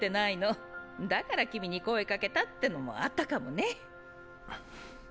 だから君に声かけたってのもあったかもね。